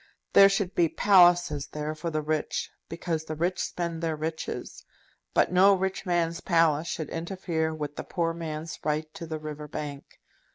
There should be palaces there for the rich, because the rich spend their riches; but no rich man's palace should interfere with the poor man's right to the River Bank.